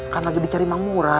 kan lagi dicari mang mura